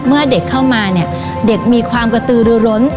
เมื่อเด็กเข้ามาเนี่ยเด็กมีความกระตือรือร้น